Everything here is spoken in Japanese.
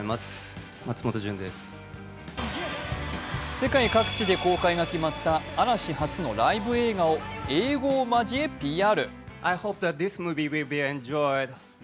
世界各地で公開が決まった嵐初のライブ映画を英語を交え、ＰＲ。